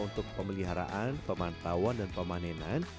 untuk pemeliharaan pemantauan dan pemanenan